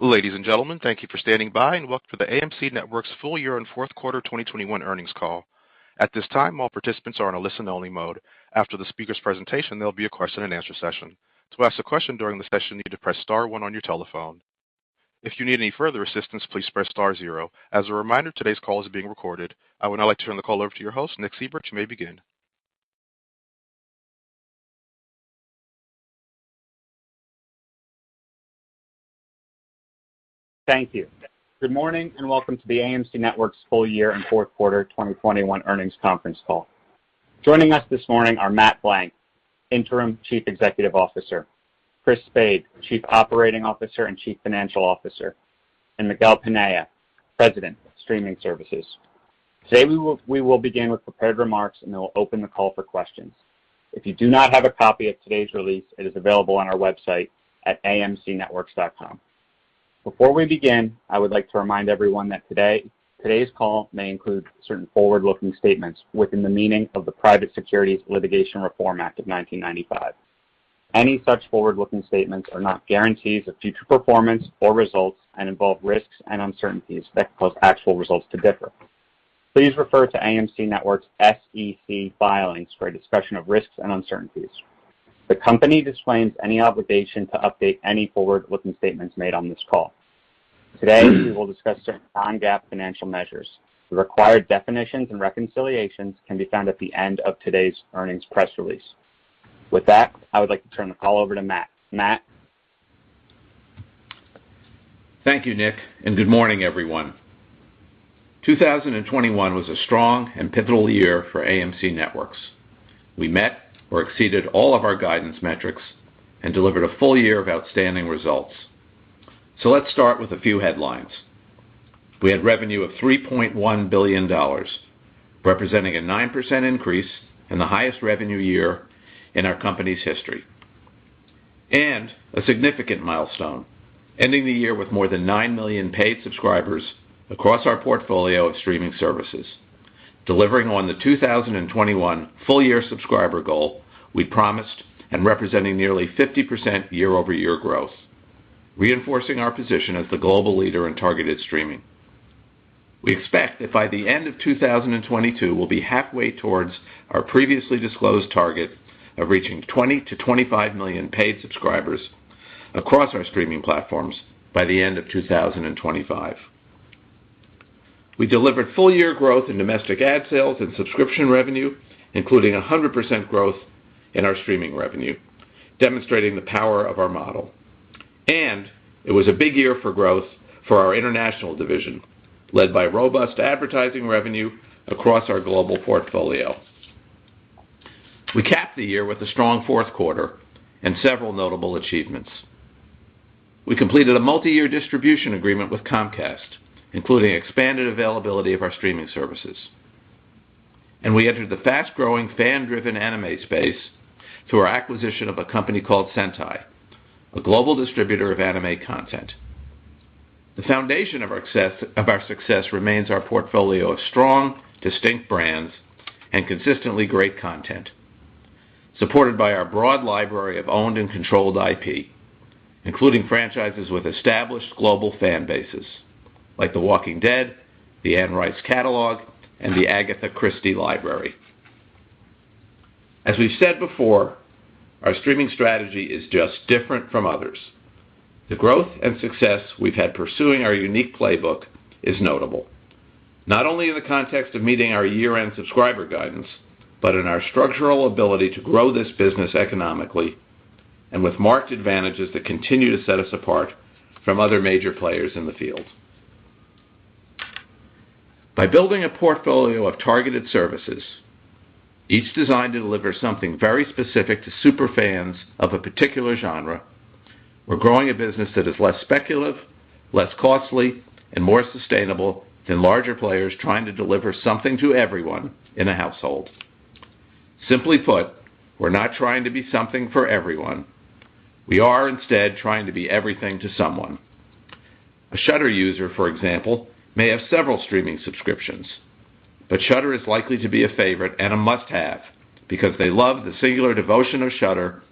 Ladies and gentlemen, thank you for standing by and welcome to the AMC Networks Full Year and Fourth Quarter 2021 Earnings Call. At this time, all participants are in a listen-only mode. After the speaker's presentation, there'll be a question-and-answer session. To ask a question during the session, you need to press star one on your telephone. If you need any further assistance, please press star zero. As a reminder, today's call is being recorded. I would now like to turn the call over to your host, Nic Seibert. You may begin. Thank you. Good morning and welcome to the AMC Networks Full Year and Fourth Quarter 2021 Earnings Conference Call. Joining us this morning are Matt Blank, Interim Chief Executive Officer, Chris Spade, Chief Operating Officer and Chief Financial Officer, and Miquel Penella, President, Streaming Services. Today we will begin with prepared remarks, and then we'll open the call for questions. If you do not have a copy of today's release, it is available on our website at amcnetworks.com. Before we begin, I would like to remind everyone that today's call may include certain forward-looking statements within the meaning of the Private Securities Litigation Reform Act of 1995. Any such forward-looking statements are not guarantees of future performance or results and involve risks and uncertainties that cause actual results to differ. Please refer to AMC Networks' SEC filings for a discussion of risks and uncertainties. The company disclaims any obligation to update any forward-looking statements made on this call. Today, we will discuss certain non-GAAP financial measures. The required definitions and reconciliations can be found at the end of today's earnings press release. With that, I would like to turn the call over to Matt. Matt? Thank you, Nick, and good morning, everyone. 2021 was a strong and pivotal year for AMC Networks. We met or exceeded all of our guidance metrics and delivered a full year of outstanding results. Let's start with a few headlines. We had revenue of $3.1 billion, representing a 9% increase and the highest revenue year in our company's history. A significant milestone, ending the year with more than 9 million paid subscribers across our portfolio of streaming services, delivering on the 2021 full year subscriber goal we promised and representing nearly 50% year-over-year growth, reinforcing our position as the global leader in targeted streaming. We expect that by the end of 2022, we'll be halfway towards our previously disclosed target of reaching 20-25 million paid subscribers across our streaming platforms by the end of 2025. We delivered full-year growth in domestic ad sales and subscription revenue, including 100% growth in our streaming revenue, demonstrating the power of our model. It was a big year for growth for our international division, led by robust advertising revenue across our global portfolio. We capped the year with a strong fourth quarter and several notable achievements. We completed a multi-year distribution agreement with Comcast, including expanded availability of our streaming services. We entered the fast-growing, fan-driven anime space through our acquisition of a company called Sentai, a global distributor of anime content. The foundation of our success remains our portfolio of strong, distinct brands and consistently great content, supported by our broad library of owned and controlled IP, including franchises with established global fan bases like The Walking Dead, the Anne Rice catalog, and the Agatha Christie library. As we've said before, our streaming strategy is just different from others. The growth and success we've had pursuing our unique playbook is notable, not only in the context of meeting our year-end subscriber guidance, but in our structural ability to grow this business economically and with marked advantages that continue to set us apart from other major players in the field. By building a portfolio of targeted services, each designed to deliver something very specific to super fans of a particular genre, we're growing a business that is less speculative, less costly, and more sustainable than larger players trying to deliver something to everyone in a household. Simply put, we're not trying to be something for everyone. We are instead trying to be everything to someone. A Shudder user, for example, may have several streaming subscriptions, but Shudder is likely to be a favorite and a must-have because they love the singular devotion of Shudder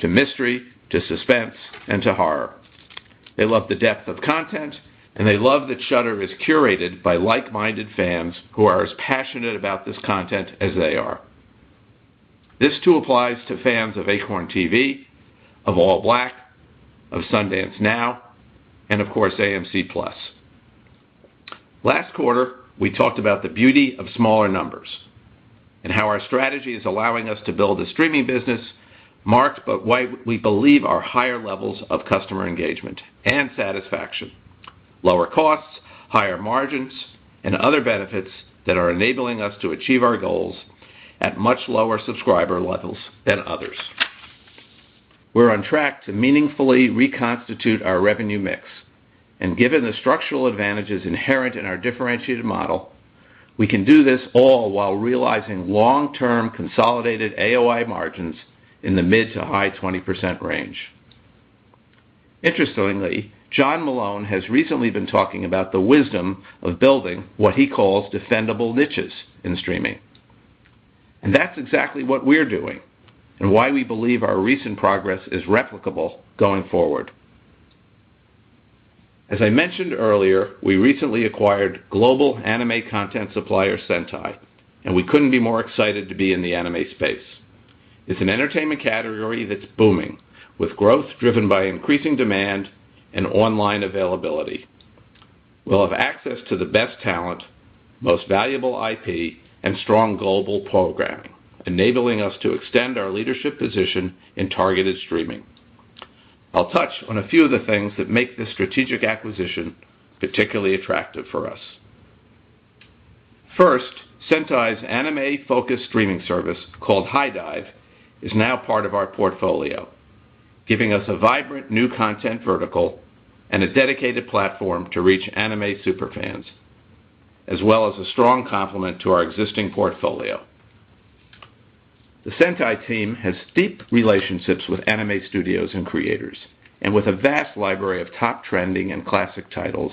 to mystery, to suspense, and to horror. They love the depth of content, and they love that Shudder is curated by like-minded fans who are as passionate about this content as they are. This too applies to fans of Acorn TV, of ALLBLK, of Sundance Now, and of course, AMC+. Last quarter, we talked about the beauty of smaller numbers and how our strategy is allowing us to build a streaming business marked by what we believe are higher levels of customer engagement and satisfaction, lower costs, higher margins, and other benefits that are enabling us to achieve our goals at much lower subscriber levels than others. We're on track to meaningfully reconstitute our revenue mix. Given the structural advantages inherent in our differentiated model, we can do this all while realizing long-term consolidated AOI margins in the mid- to high-20% range. Interestingly, John Malone has recently been talking about the wisdom of building what he calls defendable niches in streaming. That's exactly what we're doing and why we believe our recent progress is replicable going forward. As I mentioned earlier, we recently acquired global anime content supplier Sentai, and we couldn't be more excited to be in the anime space. It's an entertainment category that's booming, with growth driven by increasing demand and online availability. We'll have access to the best talent, most valuable IP, and strong global programming, enabling us to extend our leadership position in targeted streaming. I'll touch on a few of the things that make this strategic acquisition particularly attractive for us. First, Sentai's anime-focused streaming service, called HIDIVE, is now part of our portfolio, giving us a vibrant new content vertical and a dedicated platform to reach anime super fans, as well as a strong complement to our existing portfolio. The Sentai team has deep relationships with anime studios and creators, and with a vast library of top trending and classic titles,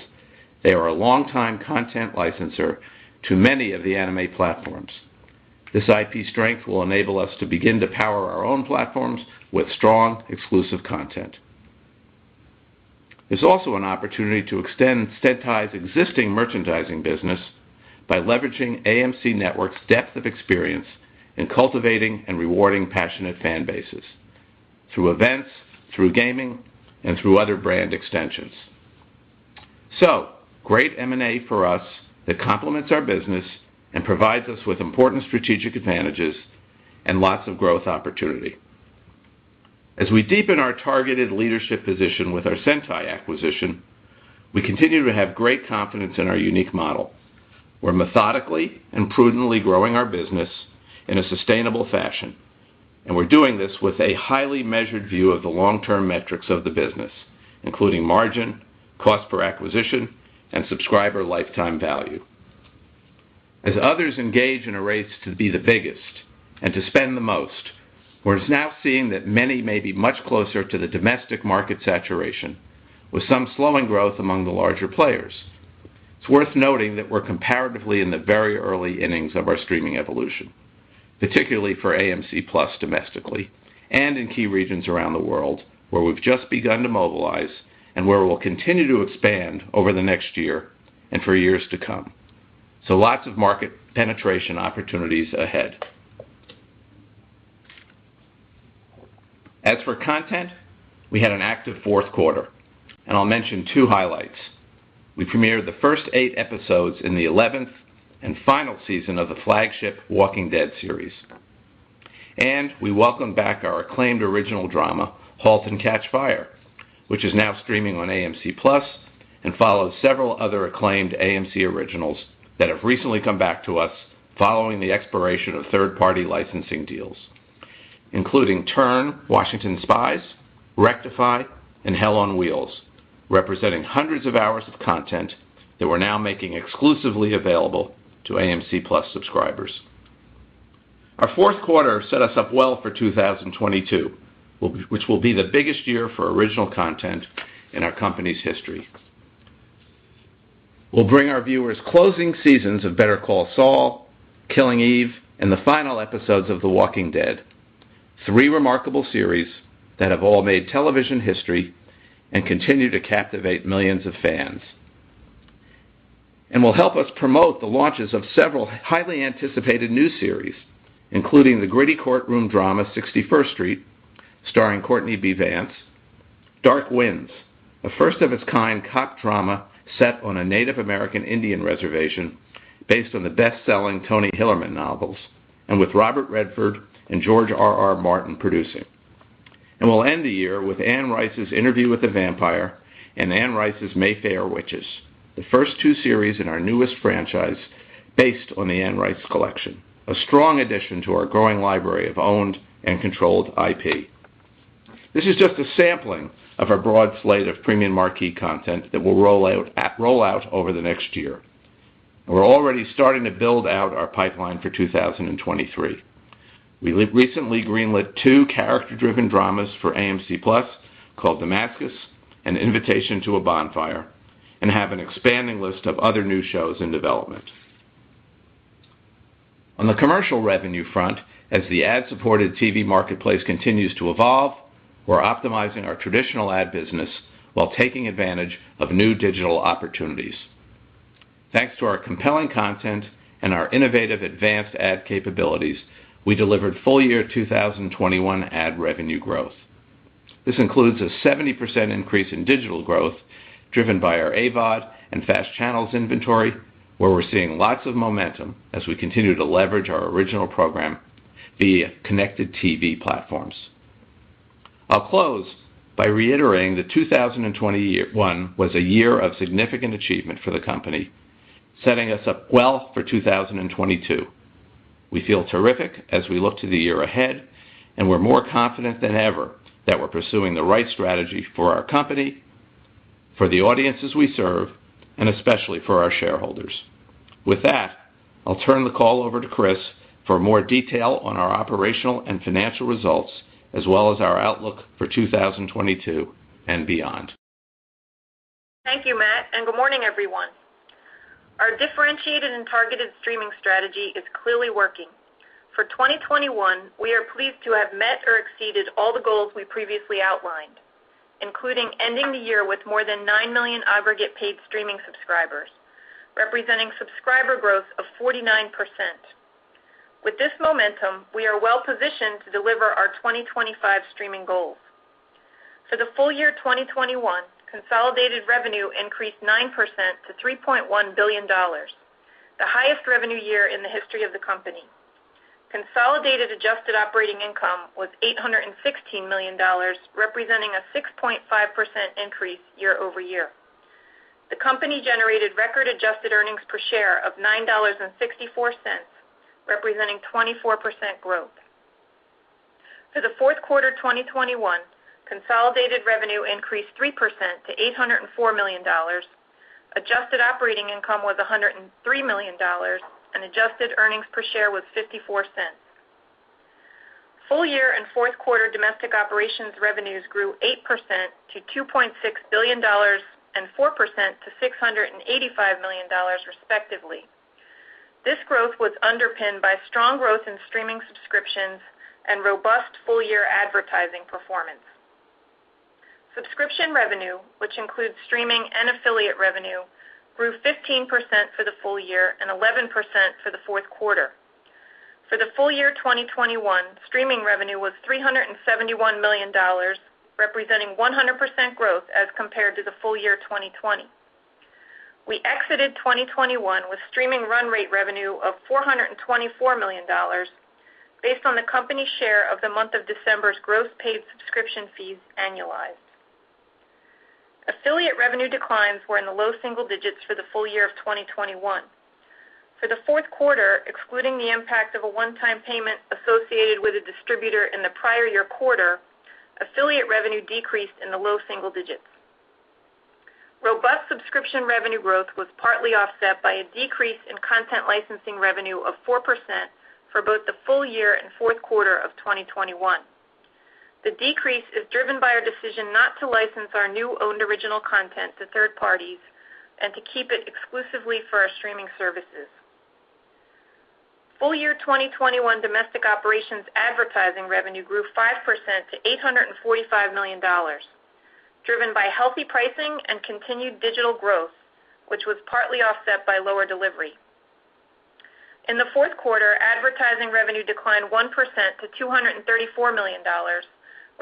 they are a longtime content licensor to many of the anime platforms. This IP strength will enable us to begin to power our own platforms with strong exclusive content. There's also an opportunity to extend Sentai's existing merchandising business by leveraging AMC Networks' depth of experience in cultivating and rewarding passionate fan bases through events, through gaming, and through other brand extensions. Great M&A for us that complements our business and provides us with important strategic advantages and lots of growth opportunity. As we deepen our targeted leadership position with our Sentai acquisition, we continue to have great confidence in our unique model. We're methodically and prudently growing our business in a sustainable fashion, and we're doing this with a highly measured view of the long-term metrics of the business, including margin, cost per acquisition, and subscriber lifetime value. As others engage in a race to be the biggest and to spend the most, we're now seeing that many may be much closer to the domestic market saturation, with some slowing growth among the larger players. It's worth noting that we're comparatively in the very early innings of our streaming evolution, particularly for AMC+ domestically and in key regions around the world where we've just begun to mobilize and where we'll continue to expand over the next year and for years to come. Lots of market penetration opportunities ahead. As for content, we had an active fourth quarter, and I'll mention two highlights. We premiered the first eight episodes in the 11th and final season of the flagship The Walking Dead series. We welcome back our acclaimed original drama, Halt and Catch Fire, which is now streaming on AMC+ and follows several other acclaimed AMC originals that have recently come back to us following the expiration of third-party licensing deals, including Turn: Washington's Spies, Rectify, and Hell on Wheels, representing hundreds of hours of content that we're now making exclusively available to AMC+ subscribers. Our fourth quarter set us up well for 2022, which will be the biggest year for original content in our company's history. We'll bring our viewers closing seasons of Better Call Saul, Killing Eve, and the final episodes of The Walking Dead, three remarkable series that have all made television history and continue to captivate millions of fans and will help us promote the launches of several highly anticipated new series, including the gritty courtroom drama 61st Street, starring Courtney B. Vance, Dark Winds, a first-of-its-kind cop drama set on a Native American Indian reservation based on the best-selling Tony Hillerman novels and with Robert Redford and George R.R. Martin producing. We'll end the year with Anne Rice's Interview with the Vampire and Anne Rice's Mayfair Witches, the first two series in our newest franchise based on the Anne Rice collection, a strong addition to our growing library of owned and controlled IP. This is just a sampling of our broad slate of premium marquee content that we'll roll out over the next year. We're already starting to build out our pipeline for 2023. We recently greenlit 2 character-driven dramas for AMC+ called Demascus and Invitation to a Bonfire and have an expanding list of other new shows in development. On the commercial revenue front, as the ad-supported TV marketplace continues to evolve, we're optimizing our traditional ad business while taking advantage of new digital opportunities. Thanks to our compelling content and our innovative advanced ad capabilities, we delivered full year 2021 ad revenue growth. This includes a 70% increase in digital growth driven by our AVOD and FAST Channels inventory, where we're seeing lots of momentum as we continue to leverage our original program via connected TV platforms. I'll close by reiterating that 2021 was a year of significant achievement for the company, setting us up well for 2022. We feel terrific as we look to the year ahead, and we're more confident than ever that we're pursuing the right strategy for our company, for the audiences we serve, and especially for our shareholders. With that, I'll turn the call over to Chris for more detail on our operational and financial results as well as our outlook for 2022 and beyond. Thank you, Matt, and good morning, everyone. Our differentiated and targeted streaming strategy is clearly working. For 2021, we are pleased to have met or exceeded all the goals we previously outlined, including ending the year with more than 9 million aggregate paid streaming subscribers, representing subscriber growth of 49%. With this momentum, we are well-positioned to deliver our 2025 streaming goals. For the full year 2021, consolidated revenue increased 9% to $3.1 billion, the highest revenue year in the history of the company. Consolidated Adjusted Operating Income was $816 million, representing a 6.5% increase year-over-year. The company generated record Adjusted Earnings Per Share of $9.64, representing 24% growth. For the fourth quarter 2021, consolidated revenue increased 3% to $804 million. Adjusted Operating Income was $103 million, and Adjusted Earnings Per Share was $0.54. Full year and fourth quarter Domestic Operations revenues grew 8% to $2.6 billion and 4% to $685 million, respectively. This growth was underpinned by strong growth in streaming subscriptions and robust full-year advertising performance. Subscription revenue, which includes streaming and affiliate revenue, grew 15% for the full year and 11% for the fourth quarter. For the full year 2021, streaming revenue was $371 million, representing 100% growth as compared to the full year 2020. We exited 2021 with streaming run rate revenue of $424 million based on the company share of the month of December's gross paid subscription fees annualized. Affiliate revenue declines were in the low single digits for the full year of 2021. For the fourth quarter, excluding the impact of a one-time payment associated with a distributor in the prior year quarter, affiliate revenue decreased in the low single digits. Robust subscription revenue growth was partly offset by a decrease in content licensing revenue of 4% for both the full year and fourth quarter of 2021. The decrease is driven by our decision not to license our new owned original content to third parties and to keep it exclusively for our streaming services. Full year 2021 Domestic Operations advertising revenue grew 5% to $845 million, driven by healthy pricing and continued digital growth, which was partly offset by lower delivery. In the fourth quarter, advertising revenue declined 1% to $234 million,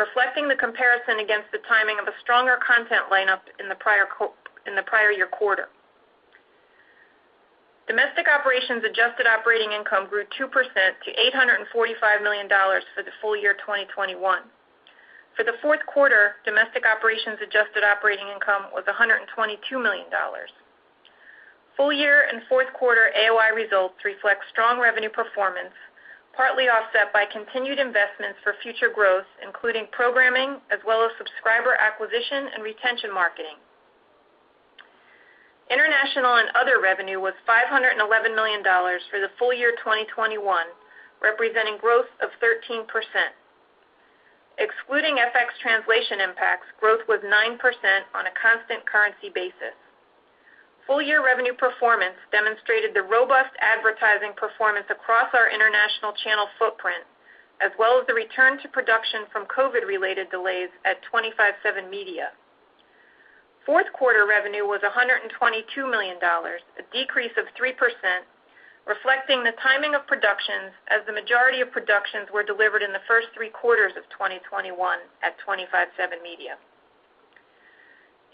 reflecting the comparison against the timing of a stronger content lineup in the prior year quarter. Domestic Operations Adjusted Operating Income grew 2% to $845 million for the full year 2021. For the fourth quarter, Domestic Operations Adjusted Operating Income was $122 million. Full year and fourth quarter AOI results reflect strong revenue performance, partly offset by continued investments for future growth, including programming as well as subscriber acquisition and retention marketing. International and other revenue was $511 million for the full year 2021, representing growth of 13%. Excluding FX translation impacts, growth was 9% on a constant currency basis. Full year revenue performance demonstrated the robust advertising performance across our international channel footprint, as well as the return to production from COVID-related delays at 25/7 Media. Fourth quarter revenue was $122 million, a decrease of 3%, reflecting the timing of productions as the majority of productions were delivered in the first three quarters of 2021 at 25/7 Media.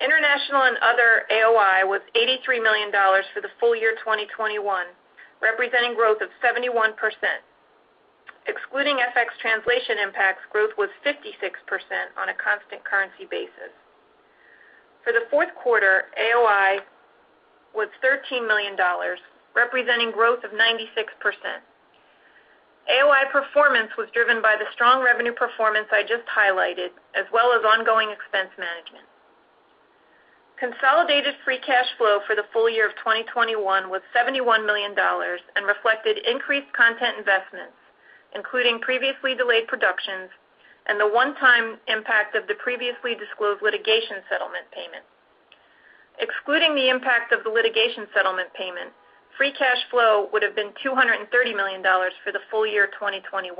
International and other AOI was $83 million for the full year 2021, representing growth of 71%. Excluding FX translation impacts, growth was 56% on a constant currency basis. For the fourth quarter, AOI was $13 million, representing growth of 96%. AOI performance was driven by the strong revenue performance I just highlighted, as well as ongoing expense management. Consolidated Free Cash Flow for the full year of 2021 was $71 million and reflected increased content investments, including previously delayed productions and the one-time impact of the previously disclosed litigation settlement payment. Excluding the impact of the litigation settlement payment, Free Cash Flow would have been $230 million for the full year 2021.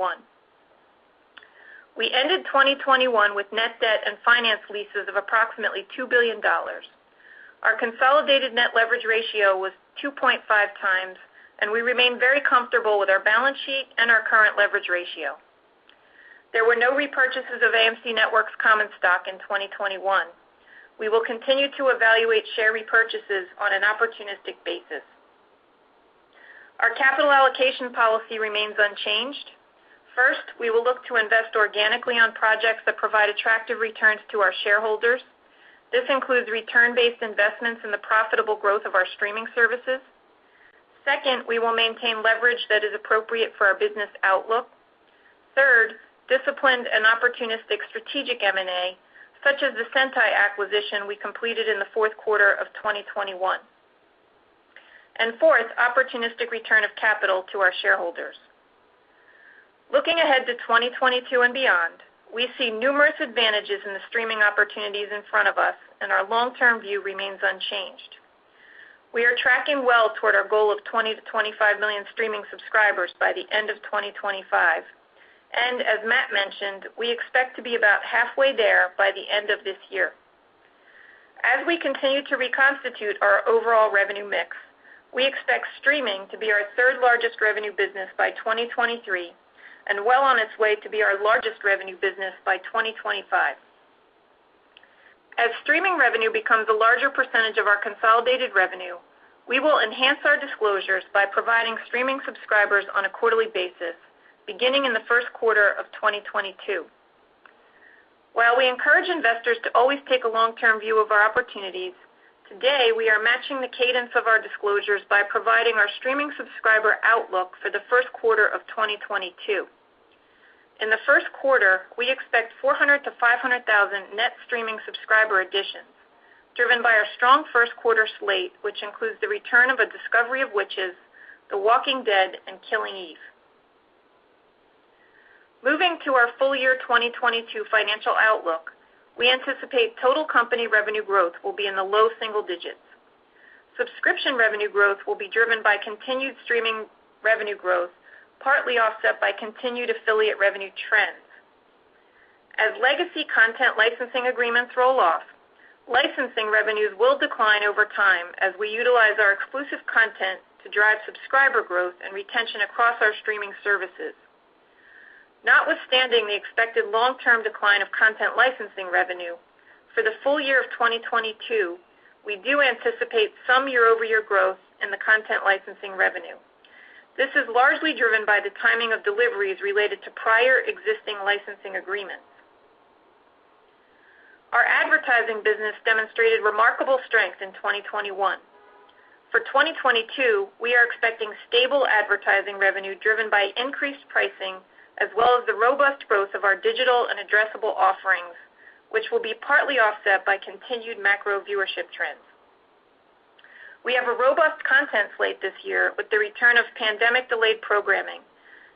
We ended 2021 with net debt and finance leases of approximately $2 billion. Our consolidated net leverage ratio was 2.5 times, and we remain very comfortable with our balance sheet and our current leverage ratio. There were no repurchases of AMC Networks' common stock in 2021. We will continue to evaluate share repurchases on an opportunistic basis. Our capital allocation policy remains unchanged. First, we will look to invest organically on projects that provide attractive returns to our shareholders. This includes return-based investments in the profitable growth of our streaming services. Second, we will maintain leverage that is appropriate for our business outlook. Third, disciplined and opportunistic strategic M&A, such as the Sentai acquisition we completed in the fourth quarter of 2021. Fourth, opportunistic return of capital to our shareholders. Looking ahead to 2022 and beyond, we see numerous advantages in the streaming opportunities in front of us, and our long-term view remains unchanged. We are tracking well toward our goal of 20-25 million streaming subscribers by the end of 2025. As Matt mentioned, we expect to be about halfway there by the end of this year. As we continue to reconstitute our overall revenue mix, we expect streaming to be our third-largest revenue business by 2023 and well on its way to be our largest revenue business by 2025. As streaming revenue becomes a larger percentage of our consolidated revenue, we will enhance our disclosures by providing streaming subscribers on a quarterly basis, beginning in the first quarter of 2022. While we encourage investors to always take a long-term view of our opportunities, today we are matching the cadence of our disclosures by providing our streaming subscriber outlook for the first quarter of 2022. In the first quarter, we expect 400,000-500,000 net streaming subscriber additions, driven by our strong first quarter slate, which includes the return of A Discovery of Witches, The Walking Dead, and Killing Eve. Moving to our full year 2022 financial outlook, we anticipate total company revenue growth will be in the low single digits%. Subscription revenue growth will be driven by continued streaming revenue growth, partly offset by continued affiliate revenue trends. As legacy content licensing agreements roll off, licensing revenues will decline over time as we utilize our exclusive content to drive subscriber growth and retention across our streaming services. Notwithstanding the expected long-term decline of content licensing revenue, for the full year of 2022, we do anticipate some year-over-year growth in the content licensing revenue. This is largely driven by the timing of deliveries related to prior existing licensing agreements. Our advertising business demonstrated remarkable strength in 2021. For 2022, we are expecting stable advertising revenue driven by increased pricing, as well as the robust growth of our digital and addressable offerings, which will be partly offset by continued macro viewership trends. We have a robust content slate this year with the return of pandemic-delayed programming,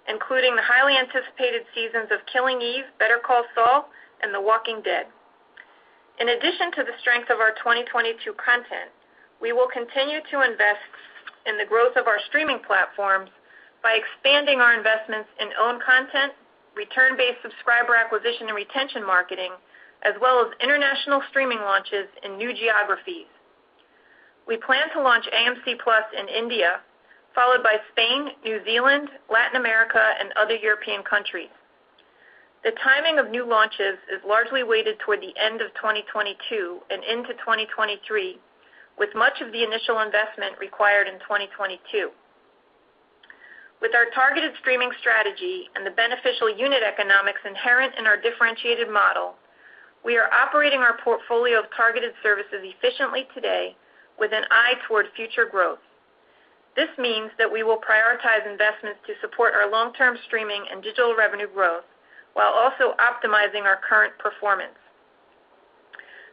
including the highly anticipated seasons of Killing Eve, Better Call Saul, and The Walking Dead. In addition to the strength of our 2022 content, we will continue to invest in the growth of our streaming platforms by expanding our investments in owned content, return-based subscriber acquisition and retention marketing, as well as international streaming launches in new geographies. We plan to launch AMC+ in India, followed by Spain, New Zealand, Latin America, and other European countries. The timing of new launches is largely weighted toward the end of 2022 and into 2023, with much of the initial investment required in 2022. With our targeted streaming strategy and the beneficial unit economics inherent in our differentiated model, we are operating our portfolio of targeted services efficiently today with an eye toward future growth. This means that we will prioritize investments to support our long-term streaming and digital revenue growth while also optimizing our current performance.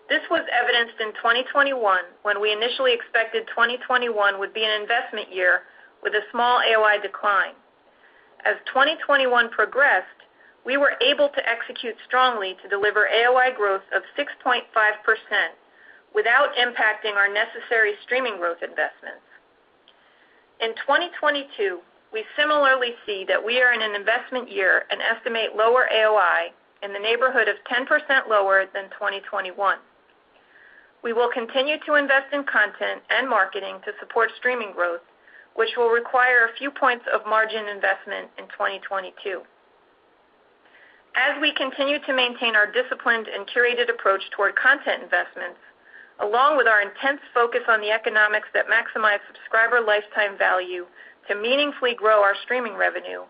This was evidenced in 2021 when we initially expected 2021 would be an investment year with a small AOI decline. As 2021 progressed, we were able to execute strongly to deliver AOI growth of 6.5% without impacting our necessary streaming growth investments. In 2022, we similarly see that we are in an investment year and estimate lower AOI in the neighborhood of 10% lower than 2021. We will continue to invest in content and marketing to support streaming growth, which will require a few points of margin investment in 2022. As we continue to maintain our disciplined and curated approach toward content investments, along with our intense focus on the economics that maximize subscriber lifetime value to meaningfully grow our streaming revenue,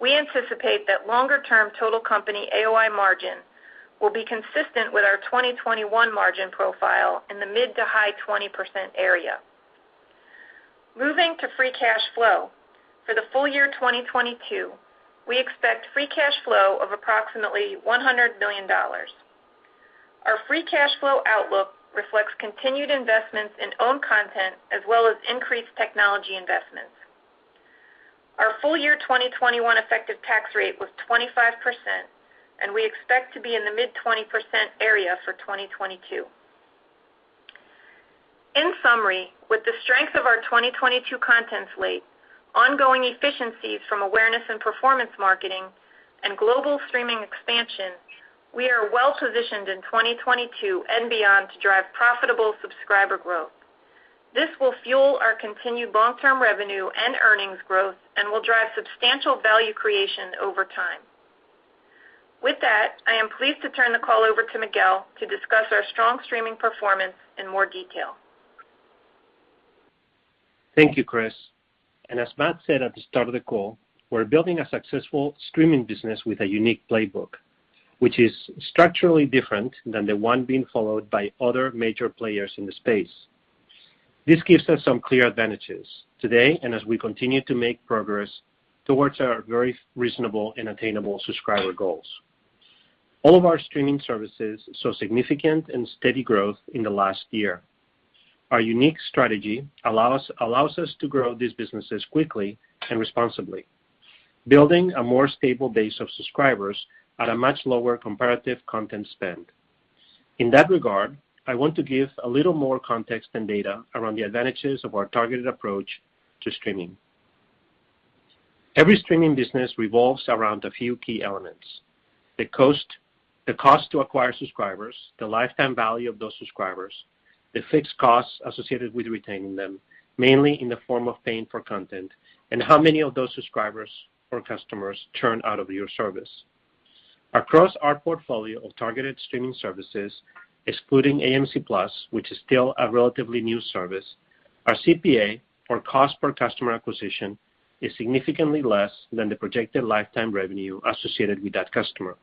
we anticipate that longer-term total company AOI margin will be consistent with our 2021 margin profile in the mid- to high-20% area. Moving to Free Cash Flow. For the full year 2022, we expect Free Cash Flow of approximately $100 million. Our Free Cash Flow outlook reflects continued investments in owned content as well as increased technology investments. Our full year 2021 effective tax rate was 25%, and we expect to be in the mid-20% area for 2022. In summary, with the strength of our 2022 content slate, ongoing efficiencies from awareness and performance marketing, and global streaming expansion, we are well positioned in 2022 and beyond to drive profitable subscriber growth. This will fuel our continued long-term revenue and earnings growth and will drive substantial value creation over time. With that, I am pleased to turn the call over to Miquel to discuss our strong streaming performance in more detail. Thank you, Chris. As Matt said at the start of the call, we're building a successful streaming business with a unique playbook, which is structurally different than the one being followed by other major players in the space. This gives us some clear advantages today and as we continue to make progress towards our very reasonable and attainable subscriber goals. All of our streaming services saw significant and steady growth in the last year. Our unique strategy allows us to grow these businesses quickly and responsibly, building a more stable base of subscribers at a much lower comparative content spend. In that regard, I want to give a little more context and data around the advantages of our targeted approach to streaming. Every streaming business revolves around a few key elements, the cost, the cost to acquire subscribers, the lifetime value of those subscribers, the fixed costs associated with retaining them, mainly in the form of paying for content, and how many of those subscribers or customers churn out of your service. Across our portfolio of targeted streaming services, excluding AMC+, which is still a relatively new service, our CPA, or cost per customer acquisition, is significantly less than the projected lifetime revenue associated with that customer.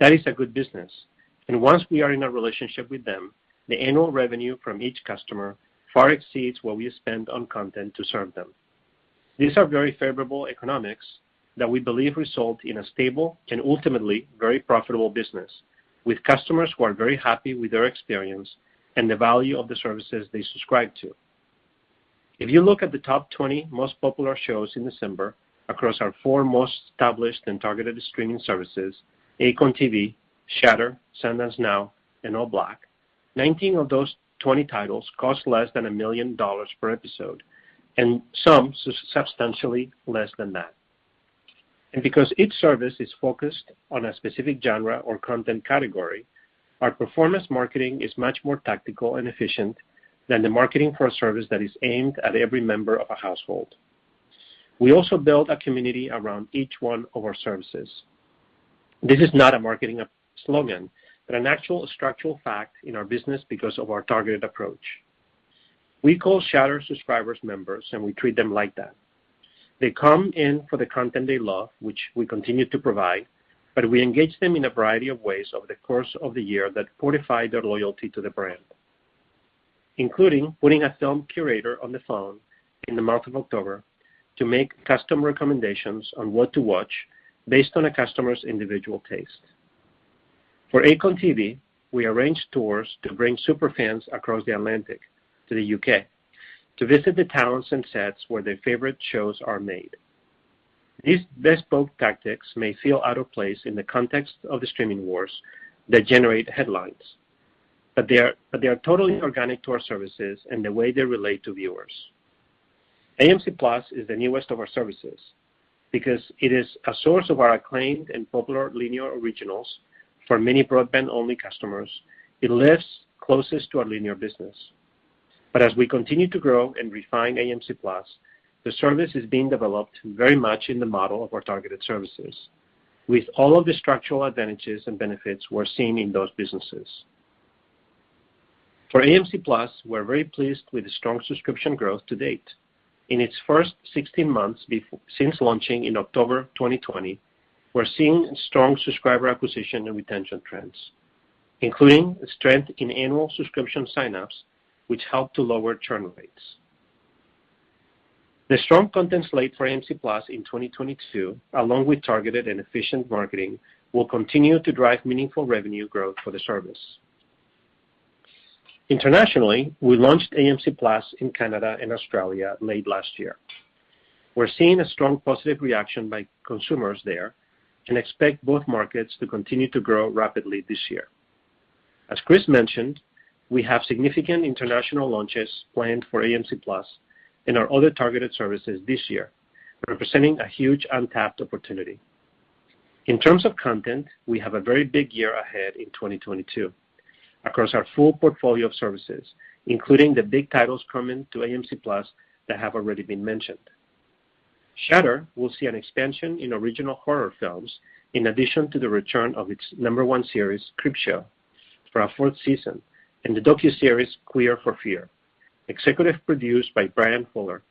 That is a good business. Once we are in a relationship with them, the annual revenue from each customer far exceeds what we spend on content to serve them. These are very favorable economics that we believe result in a stable and ultimately very profitable business with customers who are very happy with their experience and the value of the services they subscribe to. If you look at the top 20 most popular shows in December across our four most established and targeted streaming services, Acorn TV, Shudder, Sundance Now, and ALLBLK, 19 of those 20 titles cost less than $1 million per episode, and some substantially less than that. Because each service is focused on a specific genre or content category, our performance marketing is much more tactical and efficient than the marketing for a service that is aimed at every member of a household. We also build a community around each one of our services. This is not a marketing slogan, but an actual structural fact in our business because of our targeted approach. We call Shudder subscribers members, and we treat them like that. They come in for the content they love, which we continue to provide, but we engage them in a variety of ways over the course of the year that fortify their loyalty to the brand, including putting a film curator on the phone in the month of October to make custom recommendations on what to watch based on a customer's individual taste. For Acorn TV, we arrange tours to bring super fans across the Atlantic to the U.K. to visit the towns and sets where their favorite shows are made. These bespoke tactics may feel out of place in the context of the streaming wars that generate headlines, but they are totally organic to our services and the way they relate to viewers. AMC Plus is the newest of our services. Because it is a source of our acclaimed and popular linear originals for many broadband-only customers, it lives closest to our linear business. As we continue to grow and refine AMC+, the service is being developed very much in the model of our targeted services, with all of the structural advantages and benefits we're seeing in those businesses. For AMC+, we're very pleased with the strong subscription growth to date. In its first 16 months since launching in October 2020, we're seeing strong subscriber acquisition and retention trends, including strength in annual subscription sign-ups, which help to lower churn rates. The strong content slate for AMC+ in 2022, along with targeted and efficient marketing, will continue to drive meaningful revenue growth for the service. Internationally, we launched AMC+ in Canada and Australia late last year. We're seeing a strong positive reaction by consumers there and expect both markets to continue to grow rapidly this year. As Chris mentioned, we have significant international launches planned for AMC+ and our other targeted services this year, representing a huge untapped opportunity. In terms of content, we have a very big year ahead in 2022 across our full portfolio of services, including the big titles coming to AMC+ that have already been mentioned. Shudder will see an expansion in original horror films in addition to the return of its number one series, Creepshow, for our fourth season and the docuseries Queer for Fear, executive produced by Bryan Fuller,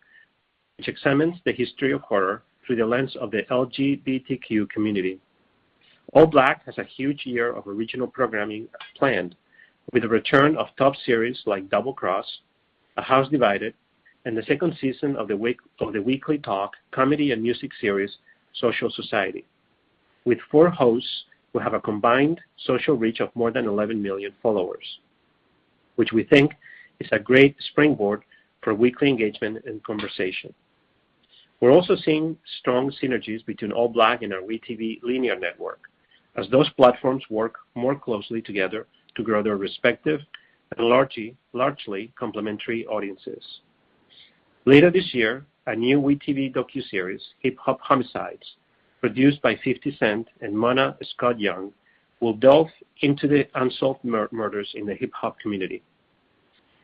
which examines the history of horror through the lens of the LGBTQ community. ALLBLK has a huge year of original programming planned with the return of top series like Double Cross, A House Divided, and the second season of the weekly talk comedy and music series, Social Society. With four hosts who have a combined social reach of more than 11 million followers, which we think is a great springboard for weekly engagement and conversation. We're also seeing strong synergies between ALLBLK and our WE tv linear network as those platforms work more closely together to grow their respective and largely complementary audiences. Later this year, a new WE tv docuseries, Hip Hop Homicides, produced by 50 Cent and Mona Scott-Young, will delve into the unsolved murders in the hip hop community.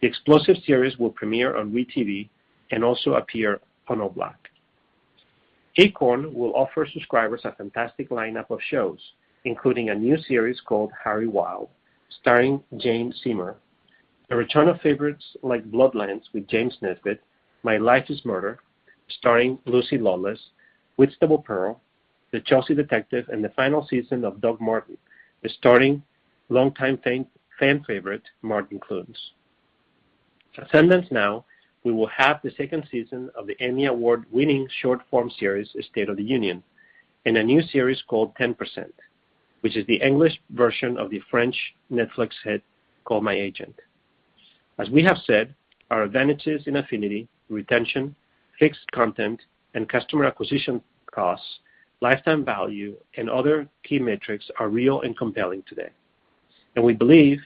The explosive series will premiere on WE tv and also appear on ALLBLK. Acorn will offer subscribers a fantastic lineup of shows, including a new series called Harry Wild, starring Jane Seymour. The return of favorites like Bloodlands with James Nesbitt, My Life Is Murder, starring Lucy Lawless, Whitstable Pearl, The Chelsea Detective, and the final season of Doc Martin, starring longtime fan favorite Martin Clunes. Sundance Now, we will have the second season of the Emmy Award-winning short form series, State of the Union, and a new series called Ten Percent, which is the English version of the French Netflix hit, Call My Agent. As we have said, our advantages in affinity, retention, fixed content, and customer acquisition costs, lifetime value, and other key metrics are real and compelling today, and we believe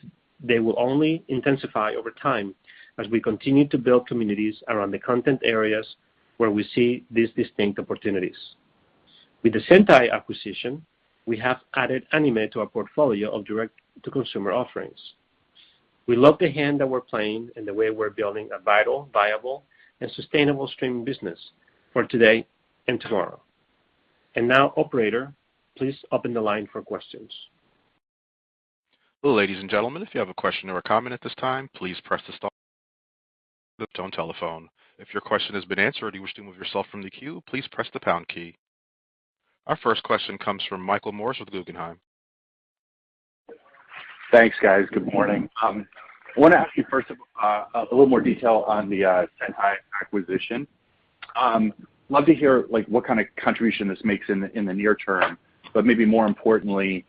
they will only intensify over time as we continue to build communities around the content areas where we see these distinct opportunities. With the Sentai acquisition, we have added anime to our portfolio of direct-to-consumer offerings. We love the hand that we're playing and the way we're building a vital, viable, and sustainable streaming business for today and tomorrow. Now, operator, please open the line for questions. Well, ladies and gentlemen, if you have a question or a comment at this time, please press the star button then the one key on your touchtone telephone, if your question has been answered, and you wish to remove yourself from the queue, please press the pound key. Our first question comes from Michael Morris with Guggenheim. Thanks, guys. Good morning. Wanna ask you first, a little more detail on the Sentai acquisition. Love to hear, like, what kind of contribution this makes in the near term. Maybe more importantly,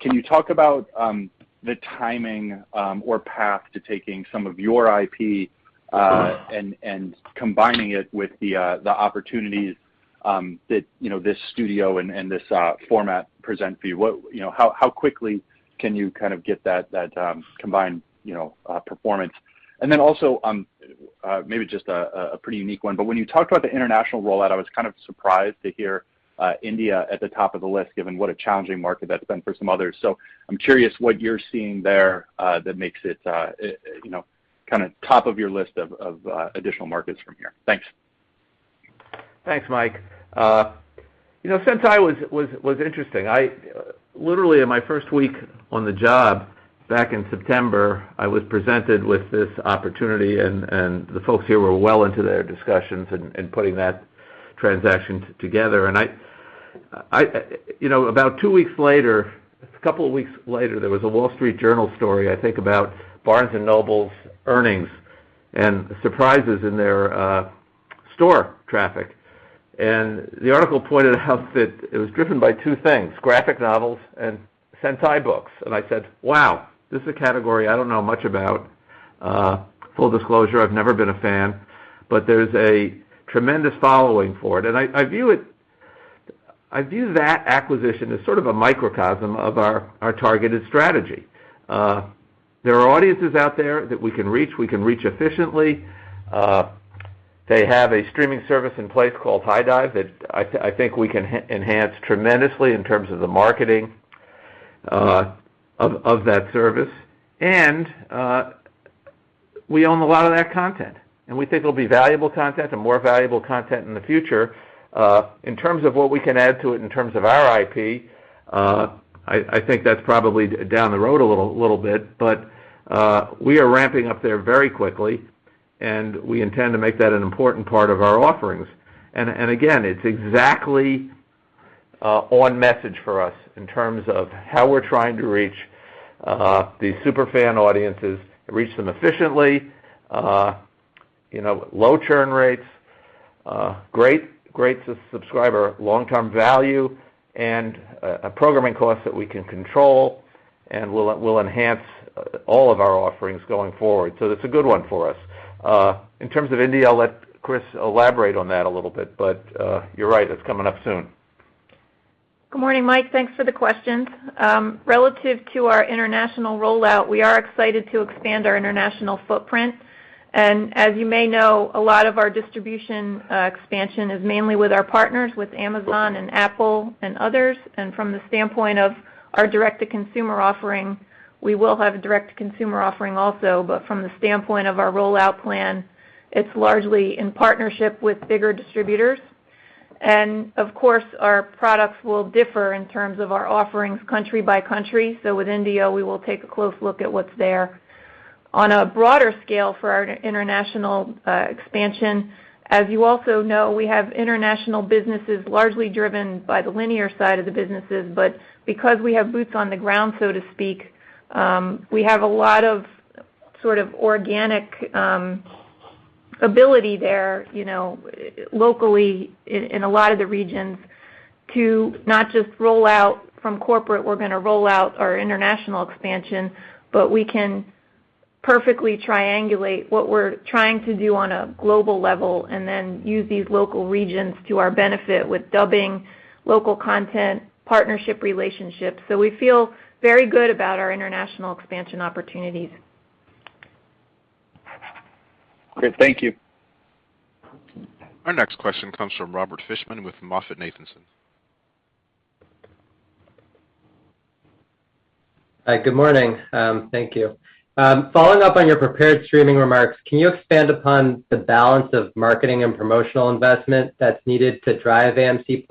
can you talk about the timing or path to taking some of your IP and combining it with the opportunities that, you know, this studio and this format present for you? You know, how quickly can you kind of get that combined, you know, performance? Then also, maybe just a pretty unique one, but when you talked about the international rollout, I was kind of surprised to hear India at the top of the list, given what a challenging market that's been for some others. I'm curious what you're seeing there that makes it you know kinda top of your list of additional markets from here. Thanks. Thanks, Mike. You know, Sentai was interesting. Literally in my first week on the job back in September, I was presented with this opportunity, and the folks here were well into their discussions and putting that transaction together. I, you know, about two weeks later, a couple of weeks later, there was a Wall Street Journal story, I think, about Barnes & Noble's earnings and surprises in their store traffic. The article pointed out that it was driven by two things, graphic novels and Sentai books. I said, "Wow, this is a category I don't know much about." Full disclosure, I've never been a fan, but there's a tremendous following for it. I view that acquisition as sort of a microcosm of our targeted strategy. There are audiences out there that we can reach, we can reach efficiently. They have a streaming service in place called HIDIVE that, I think we can enhance tremendously in terms of the marketing of that service. We own a lot of that content, and we think it'll be valuable content and more valuable content in the future. In terms of what we can add to it in terms of our IP, I think that's probably down the road a little bit. We are ramping up there very quickly, and we intend to make that an important part of our offerings. Again, it's exactly on message for us in terms of how we're trying to reach the super fan audiences, reach them efficiently, you know, low churn rates, great subscriber long-term value, and a programming cost that we can control and will enhance all of our offerings going forward. It's a good one for us. In terms of India, I'll let Chris elaborate on that a little bit, but you're right, it's coming up soon. Good morning, Mike. Thanks for the questions. Relative to our international rollout, we are excited to expand our international footprint. As you may know, a lot of our distribution expansion is mainly with our partners, with Amazon and Apple and others. From the standpoint of our direct-to-consumer offering, we will have a direct-to-consumer offering also. From the standpoint of our rollout plan, it's largely in partnership with bigger distributors. Of course, our products will differ in terms of our offerings country by country. With India, we will take a close look at what's there. On a broader scale for our international expansion, as you also know, we have international businesses largely driven by the linear side of the businesses. because we have boots on the ground, so to speak, we have a lot of sort of organic ability there, you know, locally in a lot of the regions to not just roll out from corporate, we're gonna roll out our international expansion, but we can perfectly triangulate what we're trying to do on a global level, and then use these local regions to our benefit with dubbing, local content, partnership relationships. We feel very good about our international expansion opportunities. Great. Thank you. Our next question comes from Robert Fishman with MoffettNathanson. Hi. Good morning. Thank you. Following up on your prepared streaming remarks, can you expand upon the balance of marketing and promotional investment that's needed to drive AMC+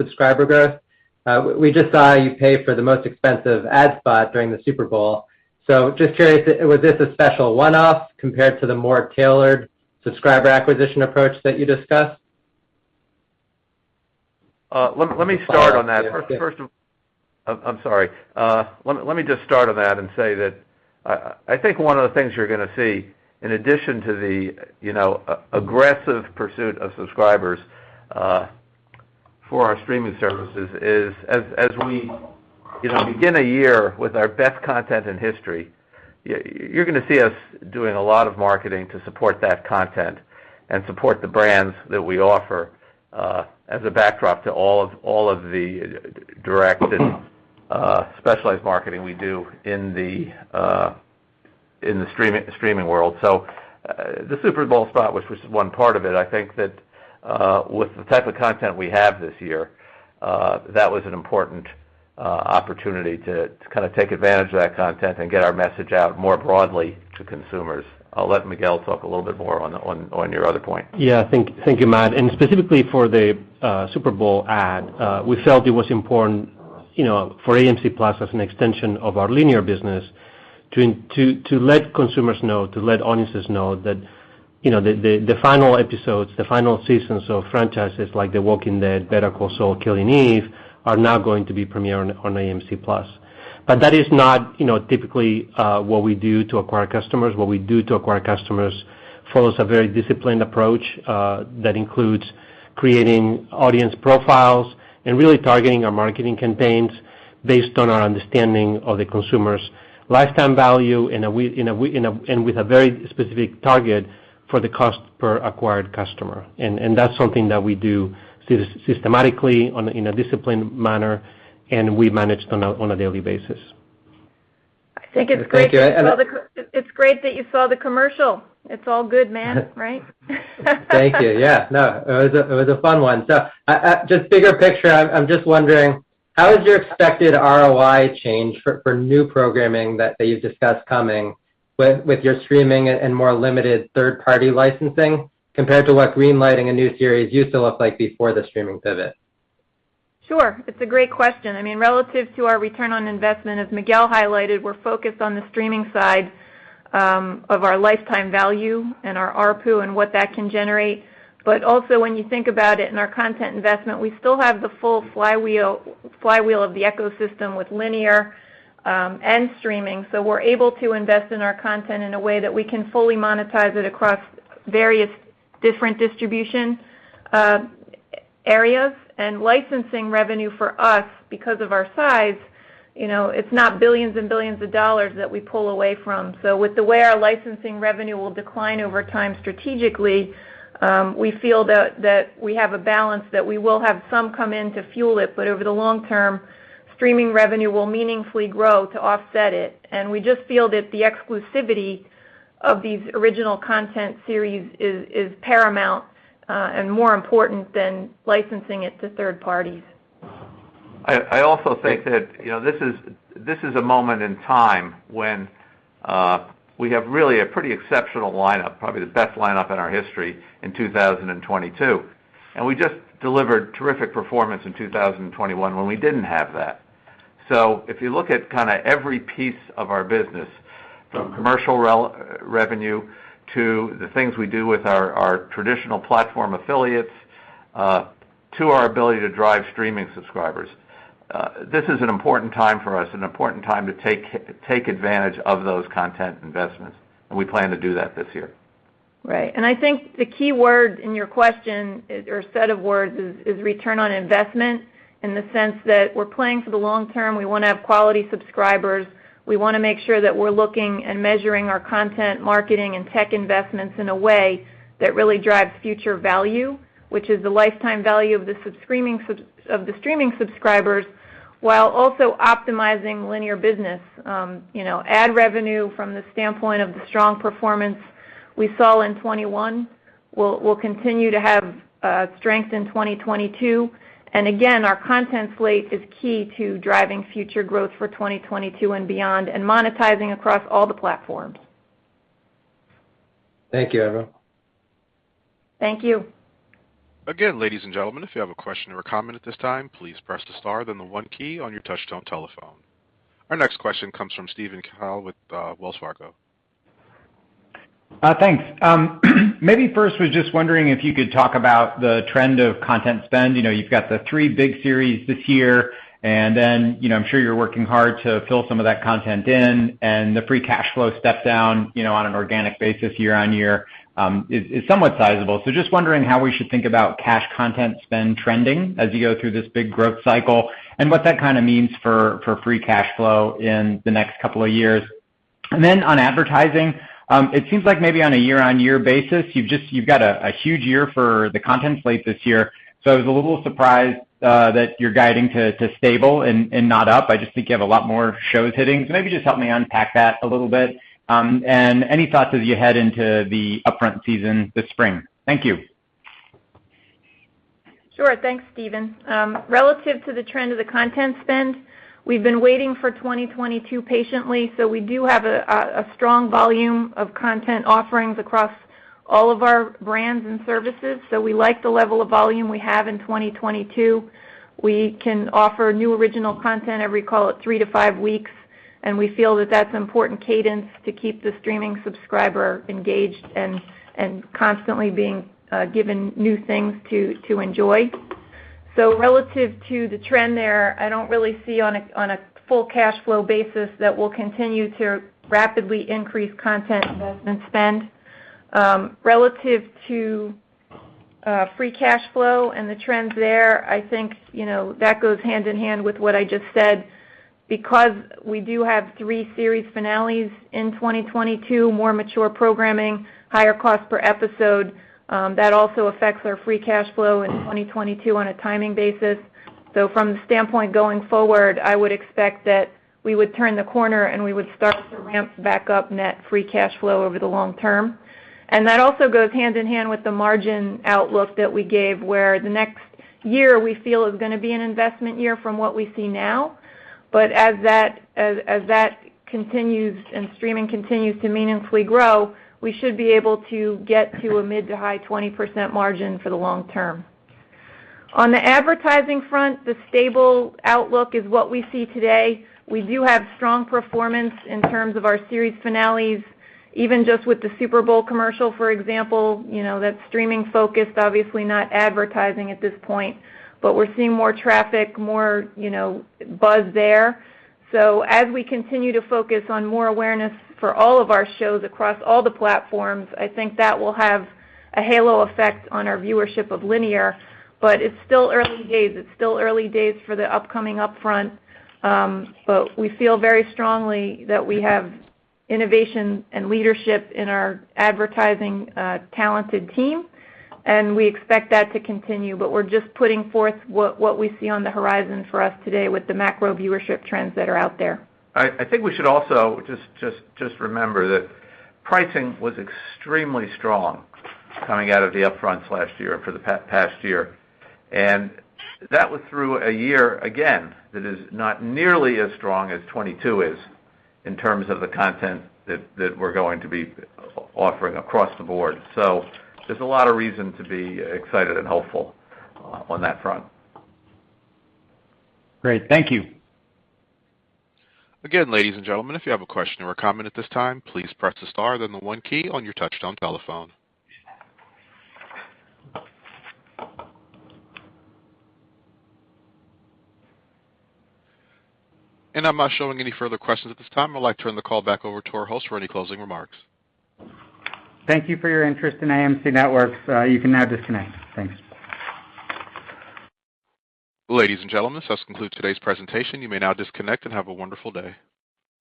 subscriber growth? We just saw you pay for the most expensive ad spot during the Super Bowl. Just curious, was this a special one-off compared to the more tailored subscriber acquisition approach that you discussed? Let me start on that. I'm sorry. Let me just start on that and say that I think one of the things you're gonna see in addition to the, you know, aggressive pursuit of subscribers for our streaming services is as we, you know, begin a year with our best content in history, you're gonna see us doing a lot of marketing to support that content and support the brands that we offer as a backdrop to all of the direct and specialized marketing we do in the streaming world. The Super Bowl spot, which was one part of it, I think that with the type of content we have this year, that was an important opportunity to kind of take advantage of that content and get our message out more broadly to consumers. I'll let Miquel talk a little bit more on your other point. Yeah. Thank you, Matt. Specifically for the Super Bowl ad, we felt it was important, you know, for AMC+ as an extension of our linear business to let consumers know, to let audiences know that, you know, the final episodes, the final seasons of franchises like The Walking Dead, Better Call Saul, Killing Eve are now going to be premiering on AMC+. But that is not, you know, typically what we do to acquire customers. What we do to acquire customers follows a very disciplined approach that includes creating audience profiles and really targeting our marketing campaigns based on our understanding of the consumer's lifetime value and with a very specific target for the cost per acquired customer. That's something that we do systematically in a disciplined manner, and we manage on a daily basis. I think it's great that you saw. Thank you. It's great that you saw the commercial. It's all good, Matt, right? Thank you. Yeah. No, it was a fun one. Just bigger picture, I'm just wondering, how has your expected ROI change for new programming that you've discussed coming with your streaming and more limited third-party licensing compared to what green-lighting a new series used to look like before the streaming pivot? Sure. It's a great question. I mean, relative to our return on investment, as Miquel highlighted, we're focused on the streaming side of our lifetime value and our ARPU and what that can generate. Also, when you think about it, in our content investment, we still have the full flywheel of the ecosystem with linear and streaming. We're able to invest in our content in a way that we can fully monetize it across various different distribution areas. Licensing revenue for us, because of our size, you know, it's not billions and billions of dollars that we pull away from. With the way our licensing revenue will decline over time strategically, we feel that we have a balance that we will have some come in to fuel it. Over the long term, streaming revenue will meaningfully grow to offset it. We just feel that the exclusivity of these original content series is Paramount, and more important than licensing it to third parties. I also think that, you know, this is a moment in time when we have really a pretty exceptional lineup, probably the best lineup in our history in 2022. We just delivered terrific performance in 2021 when we didn't have that. If you look at kinda every piece of our business, from commercial revenue to the things we do with our traditional platform affiliates, to our ability to drive streaming subscribers, this is an important time for us, an important time to take advantage of those content investments, and we plan to do that this year. Right. I think the key word in your question is, or set of words is, return on investment in the sense that we're playing for the long term. We wanna have quality subscribers. We wanna make sure that we're looking and measuring our content, marketing, and tech investments in a way that really drives future value, which is the lifetime value of the streaming subscribers, while also optimizing linear business. You know, ad revenue from the standpoint of the strong performance we saw in 2021 will continue to have strength in 2022. Our content slate is key to driving future growth for 2022 and beyond and monetizing across all the platforms. Thank you, everyone. Thank you. Again, ladies and gentlemen, if you have a question or a comment at this time, please press the star then the one key on your touchtone telephone. Our next question comes from Steven Cahall with Wells Fargo. Thanks. Maybe first I was just wondering if you could talk about the trend of content spend. You know, you've got the 3 big series this year, and then, you know, I'm sure you're working hard to fill some of that content in, and the Free Cash Flow step down, you know, on an organic basis year-over-year, is somewhat sizable. So just wondering how we should think about cash content spend trending as you go through this big growth cycle and what that kinda means for Free Cash Flow in the next couple of years. And then on advertising, it seems like maybe on a year-over-year basis, you've got a huge year for the content slate this year. So I was a little surprised that you're guiding to stable and not up. I just think you have a lot more shows hitting. Maybe just help me unpack that a little bit. Any thoughts as you head into the upfront season this spring? Thank you. Sure. Thanks, Steven. Relative to the trend of the content spend, we've been waiting for 2022 patiently, so we do have a strong volume of content offerings across all of our brands and services. We like the level of volume we have in 2022. We can offer new original content every, call it, 3-5 weeks. We feel that that's important cadence to keep the streaming subscriber engaged and constantly being given new things to enjoy. Relative to the trend there, I don't really see on a full cash flow basis that we'll continue to rapidly increase content investment spend. Relative to Free Cash Flow and the trends there, I think, you know, that goes hand in hand with what I just said. Because we do have 3 series finales in 2022, more mature programming, higher cost per episode, that also affects our Free Cash Flow in 2022 on a timing basis. From the standpoint going forward, I would expect that we would turn the corner, and we would start to ramp back up net Free Cash Flow over the long term. That also goes hand in hand with the margin outlook that we gave, where the next year we feel is gonna be an investment year from what we see now. As that continues and streaming continues to meaningfully grow, we should be able to get to a mid-to-high 20% margin for the long term. On the advertising front, the stable outlook is what we see today. We do have strong performance in terms of our series finales. Even just with the Super Bowl commercial, for example, you know, that's streaming-focused, obviously not advertising at this point. We're seeing more traffic, more, you know, buzz there. As we continue to focus on more awareness for all of our shows across all the platforms, I think that will have a halo effect on our viewership of linear. It's still early days for the upcoming upfront. We feel very strongly that we have innovation and leadership in our advertising, talented team, and we expect that to continue. We're just putting forth what we see on the horizon for us today with the macro viewership trends that are out there. I think we should also just remember that pricing was extremely strong coming out of the upfronts last year and for the past year. That was through a year, again, that is not nearly as strong as 22 is in terms of the content that we're going to be offering across the board. There's a lot of reason to be excited and hopeful on that front. Great. Thank you. Again, ladies and gentlemen, if you have a question or a comment at this time, please press the star, then the one key on your touchtone telephone. I'm not showing any further questions at this time. I'd like to turn the call back over to our host for any closing remarks. Thank you for your interest in AMC Networks. You can now disconnect. Thanks. Ladies and gentlemen, this does conclude today's presentation. You may now disconnect and have a wonderful day.